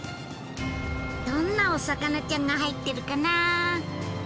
どんなお魚ちゃんが入ってるかな？